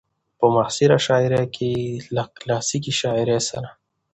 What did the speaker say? په معاصره شاعرۍ کې له کلاسيکې شاعرۍ سره